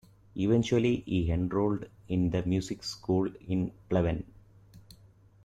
Eventually he enrolled in the music school in Pleven.